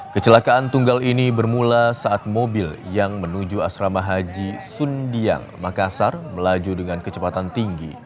kecelakaan tunggal ini bermula saat mobil yang menuju asrama haji sundiang makassar melaju dengan kecepatan tinggi